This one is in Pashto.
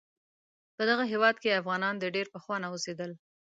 په دغه هیواد کې افغانان د ډیر پخوانه اوسیدل